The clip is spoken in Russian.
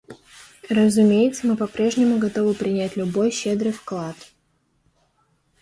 Разумеется, мы попрежнему готовы принять любой щедрый вклад.